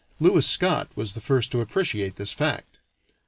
Lewis Scot was the first to appreciate this fact.